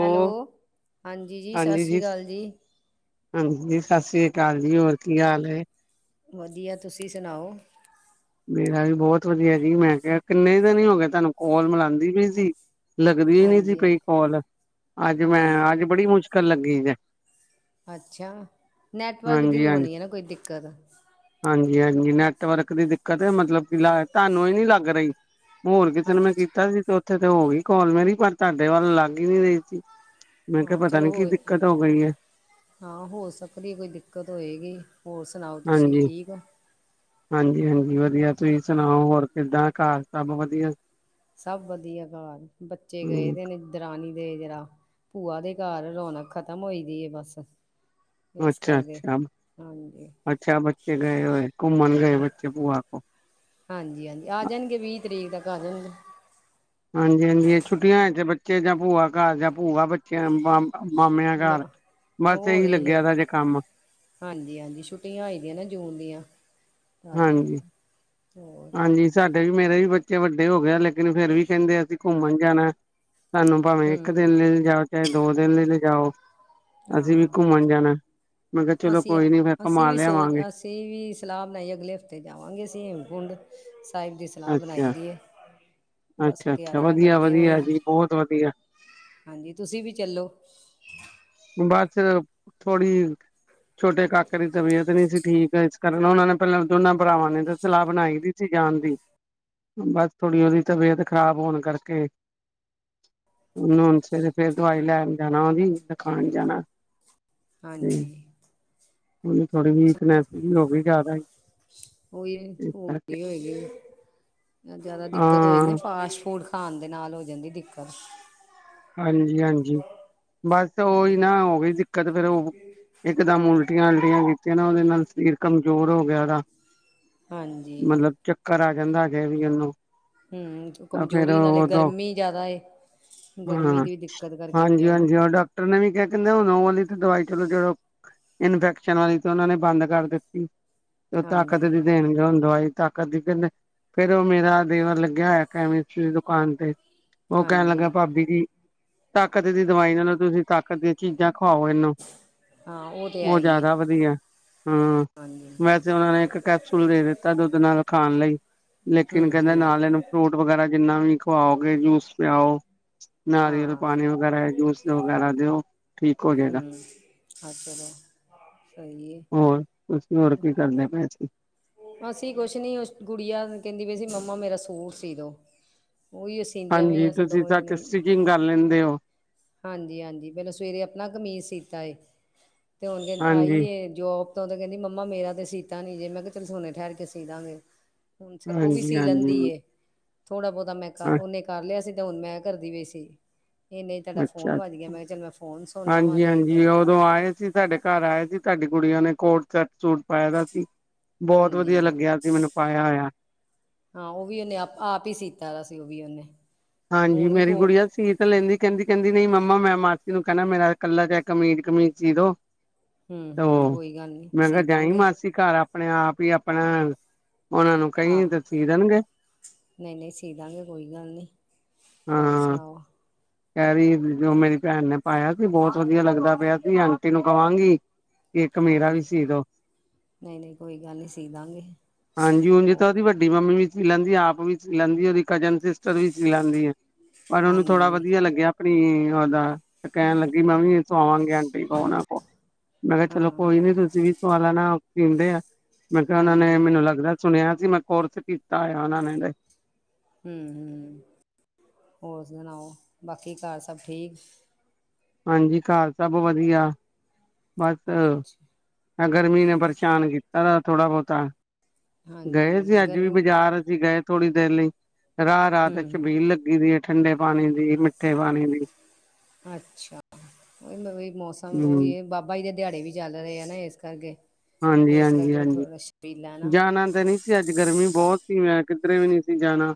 Hello, ਹਾਂਜੀ ਜੀ ਸਤਿ ਸ਼੍ਰੀ ਅਕਾਲ ਜੀ। ਹਾਂਜੀ, ਸਤਿ ਸ੍ਰੀ ਅਕਾਲ ਜੀ ਹੋਰ ਕੀ ਹਾਲ ਹੈ? ਵਧੀਆ, ਤੁਸੀਂ ਸੁਣਾਓ? ਮੇਰਾ ਵੀ ਬਹੁਤ ਵਧੀਆ ਜੀ, ਮੈਂ ਕਿਹਾ ਕਿੰਨੇ ਦਿਨ ਹੀ ਹੋ ਗਏ ਤੁਹਾਨੂੰ ਕੋਲ ਮਿਲਾਉਂਦੀ ਪਈ ਸੀ। ਲੱਗਦੀ ਹੀ ਨਹੀਂੀ ਸੀ ਹਾਂਜੀ ਪਈ ਕੋਲ, ਅੱਜ ਮੈਂ ਅੱਜ ਹਾਂਜੀ ਬੜੀ ਮੁਸ਼ਕਿਲ ਲੱਗੀ ਹੈ। ਅੱਛਾ, ਨੈਟਵਰਕ ਦੀ ਹੋਣੀ ਆ ਨਾ ਕੋਈ ਦਿੱਕਤ ਹਾਂਜੀ-ਹਾਂਜੀ ਨੈਟਵਰਕ ਦੀ ਦਿੱਕਤ ਮਤਲਬ ਕੀ ਤੁਹਾਨੂੰ ਈ ਨੀ ਲੱਗ ਰਈ। ਹੋਰ ਕਿਸੇ ਨੂੰ ਮੈਂ ਅੱਛਾ ਕੀਤਾ ਸੀ ਤੇ ਉੱਥੇ ਤੇ ਹੋ ਗਈ ਕਾਲ ਮੇਰੀ ਪਰ ਤੁਹਾਡੇ ਵੱਲ ਲੱਗ ਹੀ ਨ ਰਹੀ ਸੀ। ਮੈਂ ਕਿਹਾ ਹਾਂ ਪਤਾ ਚਲੋ ਨੀ ਕੀ ਹੋਏ ਦਿੱਕਤ ਹੋ ਗਈ ਹੈ। ਹਾਂ ਹੋ ਸਕਦੀ ਕੋਈ ਦਿੱਕਤ ਹੋਏਗੀ ਹੋਰ ਸੁਣਾਓ ਤੁਸੀਂ ਹਾਂਜੀ ਠੀਕ ਆ ਹਾਂਜੀ- ਹਾਂਜੀ ਵਧੀਆ ਤੁਸੀਂ ਸੁਣਾਓ ਹੋਰ ਕਿੱਦਾਂ ਘਰ ਸਭ ਵਧੀਆ ਸਭ ਵਧੀਆ ਘਰ ਬੱਚੇ ਗਏ ਪਏ ਹਮ ਨੇ। ਦਰਾਨੀ ਦੇ ਜਰਾ, ਭੂਆ ਦੇ ਘਰ ਰੌਣਕ ਖਤਮ ਹੋਈ ਦੀ ਹੈ ਬਸ ਇਸ ਅੱਛਾ- ਕਰਕੇ ਅੱਛਾ- ਹਾਂਜੀ ਅੱਛਾ ਬੱਚੇ ਗਏ ਹੋਏ ਘੁੰਮਣ ਗਏ ਬੱਚੇ ਬੂਆ ਕੋਲ ਹਾਂਜੀ- ਹਾਂਜੀ ਆ ਜਾਣਗੇ ਵੀਹ ਤਰੀਕ ਤੱਕ ਆ ਜਾਣਗੇ। ਹਾਂਜੀ ਹਾਂਜੀ ਛੁੱਟੀਆਂ ਵਿੱਚ ਬੱਚੇ ਜਾਂ ਭੂਆ ਘਰ ਜਾਂ ਭੂਆ ਬੱਚਿਆਂ ਵਲ ਮਾਮਿਆਂ ਮ ਘਰ ਬਸ ਇਹੀ ਲੱਗਿਆ ਦਾ ਜੇ ਕੰਮ। ਹਾਂਜੀ-ਹਾਂਜੀ ਛੁੱਟੀਆਂ ਹੋਈ ਦੀਆਂ ਨਾ ਜੂਨ ਦੀਆਂ ਚੱਲ ਪੈ ਹਾਂਜੀ ਗਆਂ ਹੋਰ ਹਾਂਜੀ ਸਾਡੇ ਵੀ ਮੇਰੇ ਵੀ ਬੱਚੇ ਵੱਡੇ ਹੋ ਗਏ ਆ ਲੇਕਿਨ ਫੇਰ ਵੀ ਕਹਿੰਦੇ ਅਸੀਂ ਘੁੰਮਣ ਜਾਣਾ ਸਾਨੂੰ ਭਾਵੇਂ ਇੱਕ ਹੂੰ ਦਿਨ ਲਈ ਲਿਜਾਓ ਚਾਹੇ ਦੋ ਦਿਨ ਲਈ ਲਿਜਾਓ। ਅਸੀਂ ਵੀ ਹਾਂ ਘੁੰਮਣ ਜਾਣਾ, ਮੈਂ ਕਿਹਾ ਚਲੋ ਅਸੀਂ ਕੋਈ ਨੀ ਫੇ ਅਸੀਂ ਘੁਮਾ ਵੀ ਸੋਚ ਲਿਆਵਾਂਗੇ। ਅਸੀਂ ਵੀ ਸਲਾਹ ਬਣਾਈ ਅਗਲੇ ਹਫ਼ਤੇ ਜਾਵਾਂਗੇ ਅਸੀਂ ਹੇਮਕੁੰਡ ਸਾਹਿਬ ਦੀ ਸਲਾਹ ਬਣਾਈ ਅੱਛਾ ਦੀ ਐ, ਬਸ ਅੱਛਾ ਅੱਛਾ ਤਿਆਰੀਆਂ ਵਧੀਆ ਕਰਦੇ ਹੋਏ ਵਧੀਆ ਆ। ਜੀ ਬਹੁਤ ਵਧੀਆ ਹਾਂਜੀ ਤੁਸੀਂ ਵੀ ਚੱਲੋ। ਬਸ ਥੋੜੀ ਛੋਟੇ ਕਾਕੇ ਦੀ ਤਬੀਅਤ ਨੀ ਸੀ ਠੀਕ ਇਸ ਕਾਰਨ ਉਹਨਾਂ ਨੇ ਪਹਿਲਾਂ ਦੋਨਾਂ ਭਰਾਵਾਂ ਨੇ ਤਾਂ ਸਲਾਹ ਬਣਾਈ ਹੋਈ ਸੀ। ਜਾਣ ਦੀ ਬਸ ਥੋੜੀ ਓਦੀ ਤਬੀਅਤ ਖ਼ਰਾਬ ਹੋਣ ਕਰਕੇ। ਸ ਫਰ ਦਵਾਈ ਲੈਣ ਜਾਣਾ ਓਦੀ ਦਖਾਣ ਜਾਣਾ। ਹਾਂਜੀ। ਹੁਣ ਥੋੜੀ ਵੀਕਨੈਸ ਵੀ ਹੋ ਗਈ ਜ਼ਿਆਦਾ ਹੀ। ਉਹੀ ਹੋ ਗਈ ਹੋਏਗੀ। ਜਿਆਦਾ ਦਿੱਕਤ ਹੋ ਜਾਂਦੀ ਹਾਂ ਫਾਸਟ ਫੂਡ ਖਾਣ ਦੇ ਨਾਲ ਹੋ ਜਾਂਦੀ ਦਿੱਕਤ। ਹਾਂਜੀ ਹਾਂਜੀ ਬਸ ਉਹੀ ਹੋਰ ਨਾ ਹੋ ਗਈ ਦਿੱਕਤ ਫੇਰ ਉਹ ਇਕ ਦਮ ਉਲਟੀਆਂ ਆਉਂਦੀਆਂ ਜ। ਨਾ ਉਹਦੇ ਨਾਲ ਸਰੀਰ ਕਮਜ਼ੋਰ ਹੋ ਗਿਆ ਉਦਾ ਹਾਂਜੀ ਮਤਲਬ ਚੱਕਰ ਆ ਜਾਂਦਾ ਹਜੇ ਵੀ ਉਨੂੰ। ਹਮ, ਕਮਜ਼ੋਰੀ ਨਾਲੇ ਗਰਮੀ ਜਿਆਦਾ ਏ। ਗਰਮੀ ਹਾਂ, ਦੀ ਵੀ ਦਿੱਕਤ ਕਰਕੇ ਹਾਂਜੀ- ਆ ਨਾ ਹਾਂਜੀ ਉਹ ਡਾਕਟਰ ਨੇ ਵੀ ਕਿਹਾ ਕਹਿੰਦੇ ਓਹ ਨਹੂੰ ਵਾਲੀ ਤੇ ਦਵਾਈ ਚਲੋ ਜੜੋ ਇਨਫੈਕਸ਼ਨ ਵਾਲੀ ਤੇ ਉਹਨਾਂ ਨੇ ਬੰਦ ਕਰ ਦਿੱਤੀ। ਉਹ ਤਾਕਤ ਦੀ ਹਾਂਜੀ। ਦੇਣਗੇ ਹੁਣ ਦਵਾਈ ਤਾਕਤ ਦੀ ਫੇਰ ਉਹ ਮੇਰਾ ਦੇਵਰ ਲਗਿਆ। ਗਿਆ ਹੋਇਆ ਕੈਮਿਸਟ ਦੀ ਦੁਕਾਨ ਤੇ ਉਹ ਕਹਿਣ ਲੱਗਾ ਹਾਂਜੀ ਬੀਜੀ ਤਾਕਤ ਦੀ ਦਵਾਈ ਨਾਲੋਂ ਤੁਸੀਂ ਤਾਕਤ ਦੀਆਂ ਚੀਜ਼ਾਂ ਖੁਆਓ ਇਹਨੂੰ ਹਾਂ ਤੇ ਹੈ ਉਹ ਹੀ ਏ ਜਿਆਦਾ ਵਧੀਆ। ਹਮ, ਹਾਂਜੀ ਵੈਸੇ ਉਹਨਾਂ ਨੇ ਇੱਕ ਕੈਪਸੂਲ ਦੇ ਦਿੱਤਾ ਦੁੱਧ ਨਾਲ ਖਾਣ ਲਈ ਹੂੰ ਲੇਕਿਨ ਕਹਿੰਦੇ ਹੂੰ ਨਾਲ ਇਹਨੂੰ ਫਰੂਟ ਵਗੈਰਾ ਜਿੰਨਾ ਵੀ ਖਵਾਓਗੇ ਜੂਸ ਪਿਆਓ। ਨਾਰੀਅਲ ਹਾਂ ਪਾਣੀ ਵਗੈਰਾ ਜੂਸ ਵਗੈਰਾ ਦਿਓ। ਠੀਕ ਹੋ ਜਾਏਗਾ ਹਮ, ਅੱ ਹਾਂ ਚਲੋ ਸਹੀ ਹੈ। ਹੋਰ ਤੁਸੀਂ ਹੋਰ ਕੀ ਕਰਦੇ ਪਏ ਸੀ। ਅਸੀਂ ਕੁਛ ਨੀ ਉਸ ਗੁੜੀਆਂ ਕਹਿੰਦੀ ਪਈ ਸੀ ਮੰਮਾ ਮੇਰਾ ਸੂਟ ਸੀਦੋ ਉਹੀ ਅਸੀਂ ਇੰਡੀਆ ਮੀ ਹਾਂਜੀ ਦੋ ਤੁਸੀਂ ਸੱਚ ਵਜੇ [unintelligible] ਸਟਿਚਿੰਗ ਕਰ ਲੈਂਦੇ ਹੋ। ਹਾਂਜੀ- ਹਾਂਜੀ ਪਹਿਲਾਂ ਸਵੇਰੇ ਆਪਣਾ ਕਮੀਜ਼ ਸੀਤਾ ਏ ਅਤੇ ਹੁਣ ਆਈ ਹਾਂਜੀ ਏ ਜੋਬ ਉਤੋਂ ਦੀ ਕਹਿੰਦੀ ਮੰਮਾ ਮੇਰਾ ਤੇ ਸੀਤਾ ਨੀ ਜੇ ਮੈਂ ਕਿਹਾ ਚੱਲੋ ਹੁਨੇ ਠਹਿਰ ਕੇ ਸੀ ਦਾਂਗੇ। ਹੁਣ ਉਹ ਵੀ ਹਾਂਜੀ ਸੀ ਹਾਂਜੀ ਲੈਂਦੀ ਏ। ਥੋੜਾ ਬਹੁਤਾ ਮੈਂ ਕਰ ਉਨੇ ਕਰ ਲਿਆ ਸੀ ਤੇ ਹੁਣ ਮੈਂ ਕਰਦੀ ਪਈ ਸੀ। ਇਹਨੇ ਜਡਾ ਫੋਨ ਅੱਛਾ ਵਜਆ ਮੈਂ ਕਿਹਾ ਚਲ ਮੈਂ ਫੋਨ ਸੁਣਨਾ ਵਾਂ ਤੇ ਜਾ ਜ ਤੁਹਾਡੇ ਘਰ ਆਏ ਸੀ ਤੁਹਾਡੀ ਕੁੜੀਆਂ ਨੇ ਕੋਟ ਚਰਚ ਪਾਇ ਦਾ ਸੀ ਬਹੁਤ ਵਧੀਆ ਹਾਂਜੀ। ਲੱਗਿਆ ਸੀ ਮੈਨੂੰ ਪਾਇਆ ਹੋਇਆ। ਹਾਂ ਓ ਵੀ ਓਨੇ ਆਪ ਆਪ ਹੀ ਸੀਤਾ ਸੀ ਉਹ ਵੀ ਓਨੇ। ਹਾਂਜੀ ਮੇਰੀ ਗੁੜੀਆ ਸੀ ਲੈਂਦੀ ਕਹਿੰਦੀ-ਕਹਿੰਦੀ ਨਹੀਂ ਮੰਮਾ ਮੈਂ ਮਾਸੀ ਨੂੰ ਕਹਿੰਣਾ ਮੇਰਾ ਕੱਲਾ ਜ ਕਮੀਜ਼-ਕਮੀਜ਼ ਚੀਦੋ। ਹੂੰ ਹੂੰ ਓਅ ਕੋਈ ਗੱਲ ਨਹੀਂ ਮੈਂ ਸੀ ਕਿਹਾ ਜਾਈ ਦਾਂਗੇ ਮਾਸੀ ਘਰ ਆਪਣੇ ਆਪ ਹੀ ਆਪਣਾ ਹਾਂ ਓਨਾਂ ਨੂੰ ਕਈ ਤਾਂ ਸੀ ਦੇਣਗੇ। ਨਹੀਂ-ਨਹੀਂ ਸੀ ਦਾਂਗੇ ਕੋਈ ਗੱਲ ਨੀ। ਹੋਰ ਹਾਂ ਸੁਣਾਓ? ਕਹਿ ਰਹੀ ਜੋ ਮੇਰੀ ਭੈਣ ਨੇ ਪਾਇਆ ਸੀ ਬਹੁਤ ਵਧੀਆ ਲੱਗਦਾ ਪਿਆ ਸੀ ਆਂਟੀ ਨੂੰ ਕਵਾਂਗੀ ਇੱਕ ਮੇਰਾ ਵੀ ਹਾਂਜੀ ਸੀ ਸੀਦੋ ਨਹੀਂ ਨਹੀਂ ਕੋਈ ਗੱਲ ਨਹੀਂ ਸੀ ਦਾਂਗੇ ਹਾਂਜੀ ਹਜੀ ਹੋਰ ਤਾਂ ਉਹਦੀ ਵ ਸਾਡੀ ਮੰਮੀ ਵੀ ਸੀ ਲੈਂਦੀ ਆ। ਆਪ ਵੀ ਸ ਲੈਂਦੀ ਆ ਉਹਦੀ ਕਜਨ ਸਿਸਟਰ ਵੀ ਸੀ ਲੈਂਦੀ ਹੈ। ਪਰ ਉਹਨੂੰ ਥੋੜਾ ਬ ਹਾਂਜੀ ਲੱਗਿਆ ਆਪਣੀ ਉਹਦਾ। ਤੇ ਕਹਿਣ ਲੱਗੀ ਮੈਂ ਹਾਂ ਵੀ ਇਥੋਂ ਆਵਾਂਗੇ ਆਂਟੀ ਕੋ ਉਹਨਾਂ ਕੋਲ ਮੈਂ ਕਿਹਾ ਹਾਂ ਚਲੋ ਕੋਈ ਨੀ ਹਾਂ ਤੁਸੀਂ ਵੀ। ਸਵਾਲਾਂ ਨਾ ਸੀਂਦੇ ਆ ਮੈਂ ਕਿਹਾ ਉਹ ਨੇ ਹਾਂਜੀ ਮੈਨੂੰ ਲੱਗਦਾ ਸੁਣਿਆ ਸੀ ਮੈਂ ਕੋਰਸ ਕੀਤਾ ਹੋਇਆ ਉਹਨਾਂ ਨੇ। ਹਮ- ਹਮ ਹੋਰ ਸੁਣਾਓ ਬਾਕੀ ਘਰ ਸਭ ਠੀਕ। ਹਾਂਜੀ, ਘਰ ਸਭ ਵਧੀਆ ਬਸ। ਅੱਛਾ ਗਰਮੀ ਨੇ ਪਰੇਸ਼ਾਨ ਕੀਤਾ ਤ ਥੋੜਾ ਬਹੁਤਾ ਹਾਂਜੀ ਗਏ ਸੀ ਅੱਜ ਵੀ ਗਰਮੀ ਬਾਜ਼ਾਰ। ਅੱਸੀ ਗਏ ਥੋੜ੍ਹੀ ਦੇਰ ਲਈ ਰਾਹ ਰਾਹ ਤੇ ਹਮ ਹਮ ਛਬੀਲ ਲੱਗੀ ਦੀ ਹੈ ਠੰਡੇ ਪਾਣੀ ਦੀ। ਦੀ ਮਿੱਠੇ ਪਾਣੀ ਦੀ। ਅੱਛਾ। ਉਹੀ ਮੌਸਮ ਉਹੀ ਹੂੰ ਹੈ। ਬਪ ਬਾਈ ਦੇ ਦਿਹਾੜੇ ਵੀ ਚੱਲ ਰਹੇ ਆ ਨਾ ਇਸ ਕਰਕੇ ਹਾਂਜੀ ਇਸ ਹਾਂਜੀ ਕਰਕੇ ਵੀ ਹਾਂਜੀ ਥੋੜਾ ਜਾਣਾ ਤਾਂ ਨਹੀਂ ਸੀ ਅੱਜ ਗਰਮੀ ਬਹੁਤ ਸੀ ਮੈਂ ਕਿੱਧਰੇ ਵੀ ਨਹੀਂ ਸੀ ਜਾਣਾ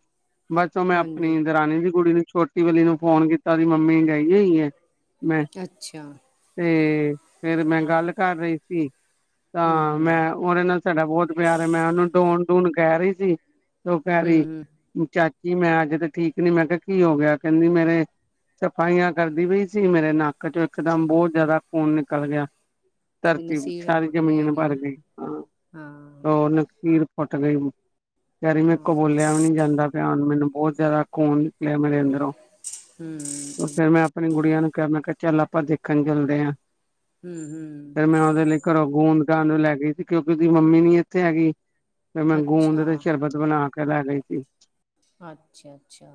ਬਸ ਓ ਮੈਂ ਹਾਂਜੀ ਆਪਣੀ। ਰਾਣੀ ਦੀ ਕੁੜੀ ਨੂੰ ਛੋਟੀ ਵਾਲਲੀ ਨੂੰ ਫੋਨ ਕੀਤਾ ਸੀ ਮੰਮੀ ਗਈ ਆਈ ਹੈ ਮੈਂ ਅੱਛਾ ਤੇ ਫੇਰ ਮੈਂ ਗੱਲ ਕਰ ਰਹੀ ਸੀ ਤਾਂ ਹਮ ਹਮ ਮੈਂ ਓਦੇ ਨਾਲ ਸਾਡਾ ਬਹੁਤ ਪਿਆਰ ਹੈ ਮੈਂ ਉਹਨੂੰ ਡੋਣ ਡੂਣ ਕਹਿ ਰਹੀ ਸੀ ਤੇ ਉਹ ਕਹਿ ਹਮ ਹਮ ਰਹੀ ਚਾਚੀ ਮੈਂ ਅਜ ਤਾਂ ਠੀਕ ਨੀ ਮੈਂ ਕਿਹਾ ਕੀ ਹੋ ਗਿਆ ਕਹਿੰਦੀ ਮੇਰੇ ਸਫ਼ਾਈਆਂ ਕਰਦੀ ਪਈ ਸੀ ਮੇਰੇ ਨੱਕ ਚ ਇਕਦਮ ਬੋਅ ਜ਼ਿਆਦਾ ਖੂਨ ਨਿਕਲ ਗਿਆ। ਧਰਤੀ ਨਸੀਰ ਸਾਰੀ ਸੁੱਟ ਗਏ ਜ਼ਮੀਨ ਹੋਣੀ ਭਰ ਨਾ ਗਈ ਹਾਂ। ਹਾਂ। ਨਖਸੀਰ ਫੁੱਟ ਗਈ। ਕੇਅ ਰਈ ਮੈਂ ਕੋ ਹਾਂ ਬੋਲਿਆ ਵੀ ਨੀ ਜਾਂਦਾ ਪਿਆ ਮੈਨੂੰ ਬਹੁਤ ਜ਼ਿਆਦਾ ਖੂਨ ਨਿਕਲਿਆ ਮੇਰੇ ਅੰਦਰੋਂ। ਹੂੰ ਫੇਰ ਮੈਂ ਅ ਆਪਣੀ ਗੁੜੀਆਂ ਨੂੰ ਕਿਹਾ ਮੈਂ ਕਿਹਾ ਚੱਲ ਆਪਾਂ ਦੇਖਣ ਚੱਲਦੇ ਆ। ਹਮ ਹਮ ਫਿਰ ਮੈਂ ਉਹਦੇ ਲਈ ਘਰੋਂ ਗੂੰਦ ਕਰਨਾਉਣ ਨੂੰ ਲੈ ਗਈ ਸੀ ਕਿਉਂਕਿ ਉਹਦੀ ਮੰਮੀ ਨੀ ਇੱਥੇ ਹੈਗੀ ਤੇ ਮੈਂ ਗੂੰਦ ਅੱਛਾ ਤੇ ਸ਼ਰਬਤ ਬਣਾ ਕੇ ਲੈ ਗਈ ਸੀ। ਅੱਛਾ-ਅੱਛਾ।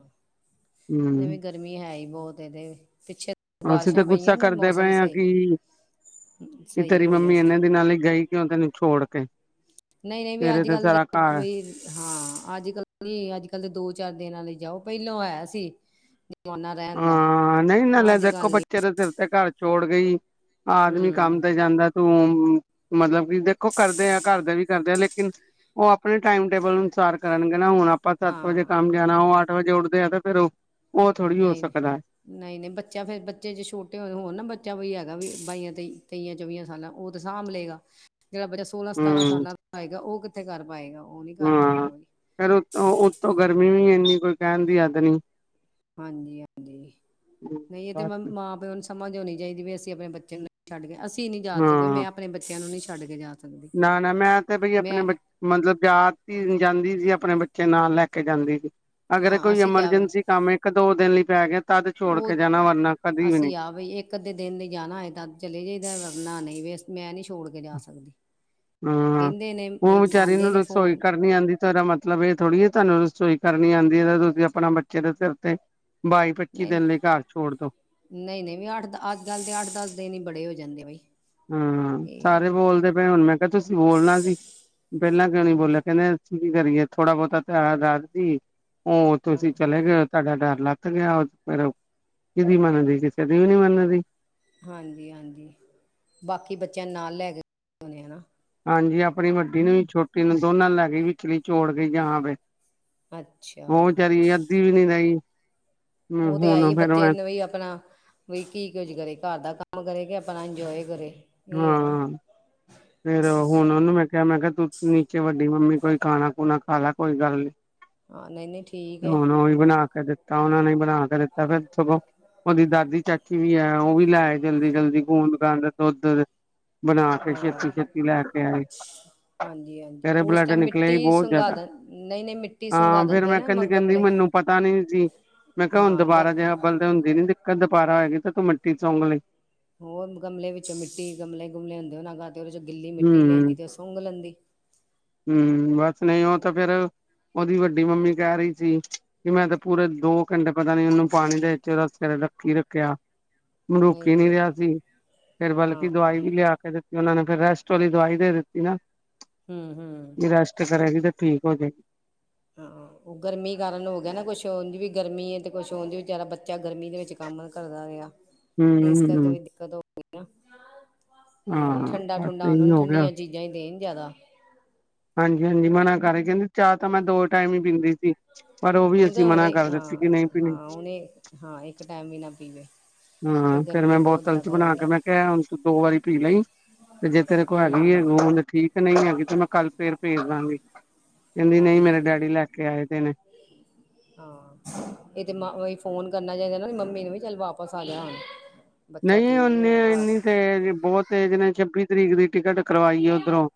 ਨਈ ਵੀ ਹੂੰ। ਗਰਮੀ ਹੈ ਈ ਬੋਤ ਇਹਦੇ ਪਿੱਛੇ ਅਸੀਂ ਬਾਰਿਸ਼ਾਂ ਗੁੱਸਾ ਪਈਆਂ ਤੇ ਕਰਦੇ ਮੌਸਮ ਪਏ ਹਾਂ ਸਈ ਕਿ ਤੇਰੀ ਮੰਮੀ ਏਨੇ ਦੀਨਾ ਲਈ ਗਈ ਕਿਉਂ ਤੈਨੂੰ ਛੋੜ ਕੇ? ਨਈ-ਨਈ ਵੀ ਤੇਰੇ ਅੱਜ ਤੇ ਕੱਲ ਦੇ ਸਾਰਾ ਘਰ ਬਈ ਹਾਂ ਅੱਜ-ਕੱਲ ਨੀ ਅੱਜ-ਕੱਲ ਤੇ ਦੋ-ਚਾਰ ਦਿਨਾਂ ਲਈ ਜਾਓ ਪਹਿਲੋਂ ਆਇਆ ਸੀ। ਜ਼ਮਾਨਾ ਰਹਿਣ ਦਾ ਹਾਂ ਨਈ ਨਾ ਅੱਜ ਕੱਲ ਦੇਖੋ ਨਹੀਂ ਚਿਰ ਤੇਰ ਤੇ ਘਰ ਛੋੜ ਗਈ ਆਦਮੀ ਕੰਮ ਹੂੰ ਤੇ ਜਾਂਦਾ ਤੂੰ ਮਤਲਬ ਕਿ ਦੇਖੋ ਕਰਦੇ ਆ ਘਰਦ ਵੀ ਕਰਦੇ ਆ ਲੇਕਿਨ ਉਹ ਆਪਣੇ ਟਾਈਮ ਟੇਬਲ ਅਨੁਸਾਰ ਕਰਨਗੇ ਨਾ ਹੁਣ ਆਪਾਂ ਸੱਤ ਵਜੇ ਹਾਂ ਕੰਮ ਜਾਣਾ ਉਹ ਅੱਠ ਵਜੇ ਉੱਠਦੇ ਆ ਤੇ ਫਿਰ ਉਹ ਥੋੜ੍ਹੀ ਹੋ ਨਈ। ਸਕਦਾ ਨਈ-ਨਈ ਬੱਚਾ ਫੇਰ ਬੱਚੇ ਜੇ ਛੋਟੇ ਹੋ ਹੋਣ ਨਾ ਬੱਚਾ ਵੀ ਹੈਗਾ ਵੀ ਬਾਈਆਂ ਤੇ ਤੇਈਆਂ ਚੌਵੀਆਂ ਸਾਲਾਂ ਉਹ ਤੇ ਸਾਂਭ ਲਏਗਾ, ਜਿਹੜਾ ਬੱਚਾ ਸੋਲਾਂ ਸਤਾਰਾਂ ਹਮ ਸਾਲਾਂ ਦਾ ਆਏਗਾ ਉਹ ਕਿੱਥੇ ਕਰ ਪਾਏਗਾ ਉਹ ਨਹੀ ਕਰ ਹਾਂ ਪਾਏਗਾ ਫੇਰ ਉਤੋਂ, ਉੱਤੋਂ ਗਰਮੀ ਵੀ ਇੰਨੀ, ਕੋਈ ਕਹਿਣ ਦੀ ਹਦ ਨਹੀਂ ਹਾਂਜੀ -ਹਾਂਜੀ ਨਹੀਂ ਇਹ ਤੇ ਮ ਬਸ ਮਾਂ- ਪਿਓ ਨੂੰ ਸਮਝ ਆਉਣੀ ਚਾਹੀਦੀ ਵੀ ਅਸੀਂ ਆਪਣੇ ਬੱਚੇ ਨੂੰ ਛੱਡ ਕੇ, ਅਸੀਂ ਨਹੀ ਜਾ ਸਕਦੇ ਹਾਂ ਮੈਂ ਆਪਣੇ ਬੱਚਿਆਂ ਨੂੰ ਨਹੀ ਛੱਡ ਕੇ ਜਾ ਸਕਦੀ ਨਾ- ਨਾ ਮੈਂ ਤੇ ਬਈ ਆਪਣੇ ਮੈਂ ਬ ਮਤਲਬ ਜਦ ਜਾਂਦੀ ਸੀ ਆਪਣੇ ਬੱਚੇ ਨਾਲ ਲੈ ਕੇ ਜਾਂਦੀ ਸੀ ਅਗਰ ਹਾਂ ਕੋਈ ਅਸੀਂ ਕਿਹਾ ਬਈ ਐਮਰਜੈਂਸੀ ਕੰਮ ਇੱਕ ਦੋ ਦਿਨ ਲਈ ਪੈ ਗਿਆ ਤਦ ਛੋੜ ਕੇ ਜਾਣਾ ਵਰਨਾ ਕਦੇ ਵੀ ਨਹੀਂ ਇਕ ਅੱਧੇ ਦਿਨ ਲਈ ਜਾਣਾ ਹੋਏ ਤਾਂ ਚਲੇ ਗਏ, ਵਰਨਾ ਨਹੀਂ ਵੇਸ ਮੈਂ ਨਹੀਂ ਛੋੜ ਕੇ ਜਾ ਸਕਦੀ, ਹਾਂ ਕਹਿੰਦੇ ਨੇ, ਆਉਂਦੇ ਨੇ ਫੋਨ ਤੁਹਾਡਾ ਮਤਲਬ ਇਹ ਥੋੜ੍ਹੀ ਤੁਹਾਨੂੰ ਰਸੋਈ ਕਰਨੀ ਆਉਂਦੀ ਹੈ ਤੁਸੀਂ ਆਪਣਾ ਬੱਚੇ ਦੇ ਸਿਰ ਤੇ ਬਾਈ- ਪੱਚੀ ਨਹੀਂ ਦਿਨ ਲਈ ਘਰ ਛੋੜ ਦਿਓ ਨਹੀਂ- ਨਹੀਂ ਵੀ ਅੱਠ ਅੱਜ ਕੱਲ ਤੇ ਅੱਠ- ਦਸ ਦਿਨ ਹੀ ਬੜੇ ਹੋ ਜਾਂਦੇ ਬਈ ਹਾਂ, ਇਹ ਆ ਸਾਰੇ ਬੋਲਦੇ ਪਏ ਹੁਣ ਮੈਂ ਕਿਹਾ ਤੁਸੀਂ ਬੋਲਣਾ ਨਹੀ, ਪਹਿਲਾਂ ਕਿਉਂ ਨੀ ਹਾਂ ਬੋਲਿਆ, ਕਹਿੰਦੇ ਅਸੀ ਕੀ ਕਰੀਏ ਥੋੜਾ ਬਹੁਤਾ ਧਿਆਨ ਰਾਦ ਜੀ, ਉਹ ਹਾਂ ਤੁਸੀਂ ਚਲੇ ਗਏ ਤੁਹਾਡਾ ਡਰ ਲੱਥ ਗਿਆ, ਉਹ ਫਿਰ ਕੀਹਦੀ ਮੰਨਦੀ ਕਿਸੇ ਦੀ ਵੀ ਨੀ ਮੰਨਦੀ ਹਾਂਜੀ- ਹਾਂਜੀ ਬਾਕੀ ਬੱਚਿਆਂ ਨਾਲ ਲੈ ਕੇ ਨੇ ਹਨਾ ਹਾਂਜੀ ਆਪਣੀ ਵੱਡੀ ਨੂੰ, ਛੋਟੀ ਨੂੰ ਦੋਨਾਂ ਨੂੰ ਲੈ ਗਈ ਵੀ ਨਿਚੋੜ ਕੇ ਜਾਣਾ ਪਏ, ਉਹ ਅੱਛਾ ਕਹਿ ਰਹੀ ਅੱਧੀ ਵੀ ਨੀ ਰਹੀ ਉਹ ਤੇ ਹੈ ਹੀ, ਹੁਣ ਫੇਰ ਬੱਚਿਆ ਮੈਂ ਨੂੰ ਵੀ ਆਪਣਾ। ਬਈ ਕੀ ਕੁੱਝ ਕਰੇ, ਘਰ ਦਾ ਕੰਮ ਕਰੇ ਕਿ ਆਪਣਾ ਇੰਜੋਏ ਕਰੇ। ਇਹ ਹੈ ਨਾ ਹਾਂ, ਫੇਰ ਬਸ ਹੁਣ ਉਹਨੂੰ ਮੈਂ ਕਿਹਾ ਮੈਂ ਕਿਹਾ ਤੂੰ ਵੱਡੀ ਮੰਮੀ ਕੋਈ ਖਾਣਾ ਖੂਣਾ ਖਾ ਲੈ, ਕੋਈ ਗੱਲ ਨੀ। ਹਾਂ ਨਹੀਂ ਨਹੀਂ ਠੀਕ ਤੇ ਹੈ ਹੁਣ ਉਹ ਵੀ ਬਣਾ ਕੇ ਦਿੱ ਖਾਣਾ ਨਹੀ ਬਣਾ ਕੇ ਦਿੱਤਾ ਫਿਰ ਸਗੋਂ ਉਹਦੀ ਦਾਦੀ ਚਾਚੀ ਵੀ ਹੈ ਉਹ ਵੀ ਲੈ ਆਈ ਜਲਦੀ- ਜਲਦੀ ਖੂੰਦਕਾਂ ਦਾ ਦੁੱਧ ਬਣਾ ਕੇ ਛੇਤੀ- ਹਾਂ ਛੇਤੀ ਲੈ ਕੇ ਆਏ ਹਾਂਜੀ- ਹਾਂਜੀ ਤੇਰੇ ਉਸ ਬਲੱਡ ਟਾਈਮ ਨਿਕਲੇ ਮਿੱਟੀ ਹੀ ਬਹੁਤ ਸੰਘਾ ਜ਼ਿਆਦਾ ਦੇ, ਨਹੀਂ- ਨਹੀਂ ਮਿੱਟੀ ਸੰਘਾ ਹਾਂ ਫੇਰ ਦਿੰਦੇ ਮੈਂ ਨੇ ਕਹਿੰਦੀ ਮ ਕਹਿੰਦੀ ਗਮਲੇ ਮੈਨੂੰ ਪਤਾ ਨੀ ਜੀ, ਮੈਂ ਕਿਹਾ ਹੁਣ ਹਾਂ ਦੁਬਾਰਾ ਗਮ ਜਿਹੜਾ ਬਣਦਾ ਤੇ ਹੁੰਦੀ ਨੀ ਦਿੱਕਤ ਦੁਬਾਰਾ ਹੋਏਗੀ ਤੇ ਤੂੰ ਮਿੱਟੀ ਚੁੰਘ ਲਈ ਹੋਰ ਗਮਲੇ ਵਿੱਚੋਂ ਮਿੱਟੀ ਗਮਲੇ, ਗਮਲੇ ਹੁੰਦੇ ਉਹਦੇ ਚੋਂ ਗਿੱਲੀ ਮਿੱਟੀ ਲੈਂਦੀ ਤੇ ਉਹ ਸੁੰਘ ਲੈਂਦੀ ਹਮ ਬਸ ਨਹੀਂ ਉਹ ਤਾਂ ਫਿਰ, ਉਹਦੀ ਵੱਡੀ ਮੰਮੀ ਕਹਿ ਰਹੀ ਸੀ ਕਿ ਮੈਂ ਤਾਂ ਪੂਰੇ ਦੋ ਘੰਟੇ ਪਤਾ ਨੀ ਉਹਨੂੰ ਪਾਣੀ ਦੇ ਵਿੱਚ ਉਹਦਾ ਸਵੇਰੇ ਰੱਖੀ ਰੱਖਿਆ ਮਰੂਕ ਨਹੀਂ ਰਿਹਾ ਸੀ ਫਿਰ ਹਾਂ ਬਲਕਿ ਦਵਾਈ ਵੀ ਲਿਆ ਕੇ ਦਿੱਤੀ, ਉਹਨਾ ਨੇ ਫਿਰ ਰੈਸਟ ਵਾਲੀ ਦਵਾਈ ਦੇ ਦਿੱਤੀ ਨਾ ਹੂੰ-ਹੂੰ ਵੀ ਰੈਸਟ ਕਰੇਗੀ ਤਾਂ ਠੀਕ ਹੋ ਜਾਏਗੀ ਹਾਂ ਉਹ ਗਰਮੀ ਕਾਰਨ ਹੋ ਗਿਆ ਨਾ ਕੁਛ ਉਂਝ ਵੀ ਗਰਮੀ ਹੈ ਤੇ ਕੁਛ ਹੁੰਦੀ ਵੀ ਵਿਚਾਰਾ ਬੱਚਾ ਗਰਮੀ ਦੇ ਵਿੱਚ ਕੰਮ ਕਰਦਾ ਰਿਹਾ, ਇਸ ਹੂੰ ਕਰਕੇ ਹੂੰ ਵੀ ਦਿੱਕਤ ਹੋਈ ਨਾ ਹਾਂ ਠੰਡਾ ਬਸ ਠੁੰਡਾ ਉਹਨਾ ਇਹੀ ਨੂੰ ਹੋ ਗਿਆ ਠੰਡੀਆਂ ਚੀਜ਼ਾਂ ਹੀ ਦੇਣ ਜਿਆਦਾ ਹਾਂਜੀ -ਹਾਂਜੀ ਮਨਾ ਕਰਕੇ ਨਾ ਚਾਹ ਤਾਂ ਮੈਂ ਦੋ ਟਾਈਮ ਹੀ ਪੀਂਦੀ ਸੀ, ਪਰ ਉਹ ਵੀ ਹੁਣ ਕ ਅਸੀਂ ਮਨਾ ਹੁਣੇ ਕਰ ਦਿੱਤੀ ਕਿ ਨਹੀਂ ਹਾਂ ਪੀਣੀ ਹਾਂ ਉਹਨੇ ਹਾਂ ਇੱਕ ਟਾਈਮ ਵੀ ਨਾ ਪੀਵੇ ਵੀ ਹਮ, ਫਿਰ ਗਰਮੀ ਮੈਂ ਬਹੁਤ ਬੋਤਲ ਚ ਜ਼ਿਆਦਾ ਬਣਾ ਹੈ ਕੇ ਮੈਂ ਕਿਹਾ ਹੁਣ ਦੋ ਵਾਰੀ ਪੀ ਲਈ ਤੇ ਜੇ ਤੇਰੇ ਕੋਲ ਹੈਗੀ ਹਮ ਹੈ ਗੋਂਡ ਠੀਕ, ਨਹੀਂ ਹੈਗੀ ਤੇ ਮੈਂ ਕੱਲ ਫਿਰ ਭੇਜ ਦਵਾਂਗੀ ਹਾਂ ਨਹੀਂ -ਨਹੀਂ [unintelligible] ਹਾਂ, ਇਹ ਤੇ ਮ ਫੋਨ ਕਰਨਾ ਚਾਹੀਦਾ ਨਾ ਮੰਮੀ ਨੂੰ ਵੀ ਚੱਲ ਵਾਪਸ ਆ ਜਾਣ ਨਹੀਂ ਓਨੀ ਇੰਨੀ ਤੇਜ਼, ਬਹੁਤ ਤੇਜ਼ ਨੇ ਛੱਬੀ ਤਰੀਕ ਦੀ ਟਿਕਟ ਕਰਵਾਈ ਉੱਧਰੋਂ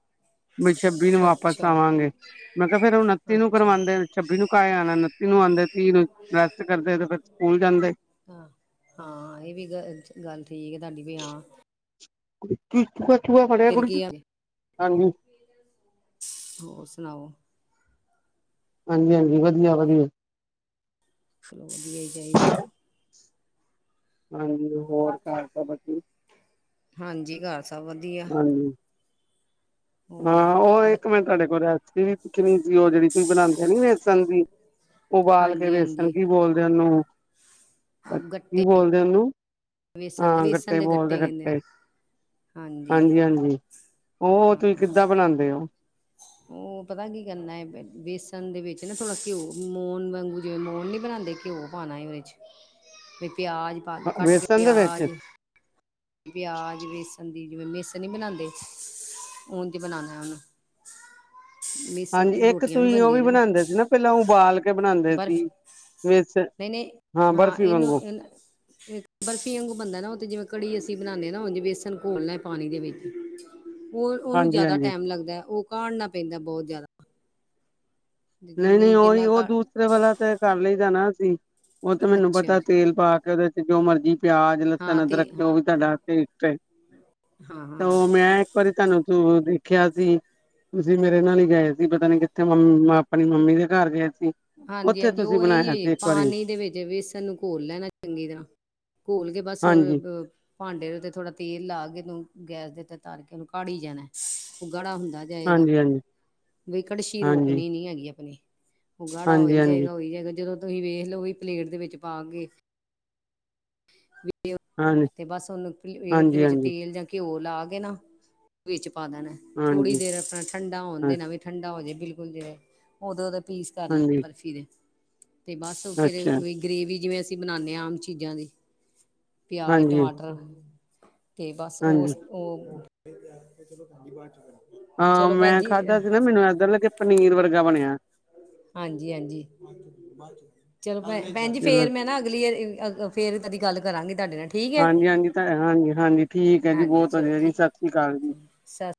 ਮੈੰ ਛੱਬੀ ਨੂੰ ਵਾਪਸ ਅੱਛਾ ਆਵਾਂਗੇ ਮੈਂ ਕਿਹਾ ਫੇਰ ਉਨੱਤੀ ਨੂੰ ਅੱਛਾ ਕਰਵਾਉਂਦੇ, ਛੱਬੀ ਨੂੰ ਕਾਹੇ ਆਉਣਾ, ਉਨੱਤੀ ਨੂੰ ਆਉਂਦੇ ਤੀਹ ਨੂੰ ਰੈਸਟ ਕਰਦੇ ਤੇ ਫਿਰ ਸਕੂਲ ਜਾਂਦੇ ਹ ਹਾਂ ਇਹ ਵੀ ਗ ਗੱਲ ਠੀਕ ਹੈ ਤੁਹਾਡੀ ਵੀ ਹਾਂ ਕੀ ਕਛੂਆ ਫੜਿਆ ਫਿਰ ਖੁਡ 'ਚ, ਕੀ ਆ ਹਾਂਜੀ ਹੋਰ ਸੁਣਾਓ ਹਾਂਜੀ- ਹਾਂਜੀ ਵਧੀਆ- ਵਧੀਆ ਵਧੀਆ ਹੀ ਚਾਹੀਦਾ ਹਾਂਜੀ ਹੋਰ ਘਰ ਸਭ ਵਧੀਆ- ਹਾਂਜੀ ਘਰ ਸਭ ਵਧੀਆ- ਹਾਂਜੀ ਹੋਰ ਹਾਂ ਉਹ ਬ ਇੱਕ ਮੈਂ ਤੁਹਾਡੇ ਕੋਲ ਰੈਸਪੀ ਵੀ ਪੁੱਛਣੀ ਸੀ ਉਹ ਜਿਹੜੀ ਤੁਸੀਂ ਬਣਾਉਂਦੇ ਨੀ ਵੇਸਣ ਦੀ ਉਬਾਲ ਕੇ ਹਾਂਜੀ ਵੇਸਣ, ਹਾਂਜੀ ਕੀ ਬੋਲਦੇ ਉਹਨੂੰ ਕੀ ਗੱਟੇ ਬੋਲਦੇ ਉਹਨੂੰ, ਵੇਸਣ ਦੇ ਹਾਂ ਵੇਸਣ ਗੱਟੇ ਦੇ ਬੋਲਦੇ ਕਹਿੰਦੇ ਗੱਟੇ ਨੇ ਹਾਂਜੀ- ਹਾਂਜੀ, ਉਹ ਹਾਂ ਤੁਸੀਂ ਕਿੱਦਾਂ ਬਣਾਉਦੇ ਉਹ ਪਤਾ ਕੀ ਕਰਨਾ ਹੈ ਬੇਸਣ ਦੇ ਵਿੱਚ ਨਾ ਥੋੜ੍ਹਾ ਘਿਓ ਮੋਨ ਵਾਂਗੂ ਜਿਵੇਂ ਮੋਨ ਨਹੀਂ ਬਣਾਉਂਦੇ ਘਿਓ ਪਾਉਣਾ ਉਹਦੇ 'ਚ, ਵੀ ਪਿਆਜ ਪਾ ਕੇ ਕੱਟ ਕੇ ਵੇਸਣ ਦੇ ਵਿੱਚ ਪਿਆਜ ਪਿਆਜ ਬੇਸਣ ਦੀ ਜਿਵੇਂ ਬੇਸਣ ਨੀ ਬਣਾਉਂਦੇ ਉਂਝ ਬਣਾਉਣਾ ਉਹਨੂੰ ਮਿਸ ਹਾਂਜੀ ਇੱਕ ਰੋਟੀਆਂ ਤੁਸੀਂ ਉਹ ਵੀ ਬਣਦੀਆਂ ਨੇ ਬਣਾਉਂਦੇ ਸੀ ਨਾ ਪਹਿਲਾਂ ਉਬਾਲ ਕੇ ਬਣਾਉਂਦੇ ਸੀੇ ਨਹੀ-ਨਹੀ, ਹਾਂ ਇਹਨੂੰ, ਇਹਨੂੰ ਬਰਫ਼ੀ ਵਾਂਗ ਬਣਦਾ ਨਾ ਜਿਵੇਂ ਕੜੀ ਅਸੀਂ ਬਣਾਉਦੇ ਨਾ ਹ ਬੇਸਣ ਘੋਲਣਾ ਪਾਣੀ ਦੇ ਵਿੱਚ ਉਹ ਉਹਨੂੰ ਹਾਂਜੀ ਜ਼ਿਆਦਾ ਹਾਂਜੀ ਟਾਈਮ ਲੱਗਦਾ, ਉਹ ਕਾੜਨਾ ਪੈਂਦਾ ਬਹੁਤ ਜ਼ਿਆਦਾ ਨਹੀਂ ਜਿੰਨੀ -ਨਹੀਂ ਉਹੀ ਜਿੰਨਾ ਉਹ ਕ ਦੂ ਰੇ ਵਾਲਾ ਤੇ ਕਰ ਲਈ ਅਸੀ ਉਹ ਤੇ ਮੈਨੂੰ ਅੱਛਾ ਪਤਾ ਤੇਲ ਪਾ ਕੇ ਉਹਦੇ 'ਚ ਜੋ ਮਰਜ਼ੀ ਪਿਆਜ ਹਾਂ ਲਸਣ ਅਦਰਕ ਤੇ ਰੱਖੇ ਉਹ ਹਾਂ ਵੀ ਤੁਹਾਡਾ ਹਾਂ ਵਾਸਤੇ, ਹਾਂ ਤਾਂ ਹਾਂ ਉਹ ਮੈਂ ਇਕ ਵਾਰੀ ਤੁਹਾਨੂੰ ਤੂੰ ਦੇਖਿਆ ਸੀ, ਤੁਸੀਂ ਮੇਰੇ ਨਾਲ ਹੀ ਗਏ ਸੀ ਪਤਾ ਨੀ ਕਿੱਥੇ ਮਮਾਂ ਆਪਣੀ ਮੰਮੀ ਦੇ ਘਰ ਗਏ ਹਾਂਜੀ- ਹਾਂਜੀ ਤੁਸੀਂ ਉਹ ਇਹੀ ਬਣਾਇਆ ਹੈ, ਸੀ ਇੱਕ ਵਾਰੀ ਪਾਣੀ ਦੇ ਵਿੱਚ ਬੇਸਣ ਨੂੰ ਘੋਲ ਲੈਣਾ ਚੰਗੀ ਤਰਾ ਘੋਲ ਕੇ ਬਸ ਹਾਂਜੀ ਭਾਂਡੇ ਤੇ ਥੋੜਾ ਤੇਲ ਲਾ ਕੇ ਉਹਨੂੰ ਗੈਸ ਦੇ ਉੱਤੇ ਤਰ ਕੇ ਉਹਨੂੰ ਕਾਹੜੀ ਜਾਣਾ ਉਹ ਗਾੜਾ ਹੁੰਦਾ ਜਾਏਗਾ ਹਾਂਜੀ- ਹਾਂਜੀ ਬਈ ਕੜਛੀ ਹਾਂਜੀ ਰੋਕਨੀ ਨੀ ਹੈਗੀ ਆਪਣੀ, ਉਹ ਗਾੜਾ ਹੋਈ ਹਾਂਜੀ ਹਾਂਜੀ ਜਾਏਗਾ ਉਹੀ ਜਾਏਗਾ ਜਦੋਂ ਤੁਸੀਂ ਵੇਖ ਲਓ ਵੀ ਪਲੇਟ ਦੇ ਵਿੱਚ ਪਾਕੇ ਹਾਂਜੀ ਤੇ ਬਸ ਉਹਨੂੰ ਪਲੇਟ ਦੇ ਵਿੱਚ ਹਾਂਜੀ ਹਾਂਜੀ ਤੇਲ ਜਾਂ ਘਿਓ ਲਾ ਕੇ ਨਾ, ਵਿੱਚ ਪਾ ਦੇਣਾ, ਥੋੜੀ ਹਾਂਜੀ ਦੇਰ ਆਪਣਾ ਠੰਡਾ ਹੋਣ ਹਾਂ ਦੇਣਾ ਵੀ ਠੰਡਾ ਹੋ ਜੇ ਬਿਲਕੁਲ ਜਿਵੇ ਉਦੋਂ ਓਹਦੇ ਪੀਸ ਕਰ ਲੈਣਾ ਹਾਂਜੀ ਬਰਫ਼ੀ ਦੇ ਤੇ ਬਸ ਫਿਰ ਅੱਛਾ ਗ੍ਰੇਵੀ ਜਿਵੇਂ ਅਸੀਂ ਬਣਾਉਂਦੇ ਹਾਂ ਆਮ ਚੀਜ਼ਾਂ ਦੀ ਪਿਆਜ਼ ਹਾਂਜੀ ਟਮਾਟਰ, ਤੇ ਬਸ ਹਾਂਜੀ ਉਸ [unintelligible] ਹਾਂ ਚਲੋ ਭੈਣ ਮੈਂ ਜੀ ਖਾਧਾ ਸੀ ਨਾ ਮੈਨੂੰ ਏਦਾਂ ਲਗਿਆ ਕੇ ਪਨੀਰ ਵਰਗਾ ਬਣਿਆ ਹਾਂਜੀ- ਹਾਂਜੀ, ਚਲੋ ਭ ਭੈਣ ਜੀ ਚਲੋ ਫੇਰ ਮੈਂ ਨਾ ਅਗਲੀ ਵਾਰੀ ਕਦੀ ਗੱਲ ਕਰਾਂਗੀ ਤੁਹਾਡੇ ਨਾਲ ਠੀਕ ਹੈ। ਹਾਂਜੀ ਹਾਂਜੀ, ਹਾਂਜੀ, ਹਾਂਜੀ ਠੀਕ ਹੈ ਜੀ ਹਾਂਜੀ ਬਹੁਤ ਚਲੋ ਵਧੀਆ ਜੀ ਠੀਕ ਸਤਿ ਸ੍ਰੀ ਅਕਾਲ ਜੀ ਸਤਿ